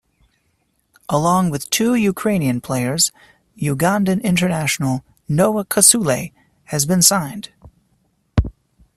Along with two Ukrainian players, Ugandan international, Noah Kasule, has been signed.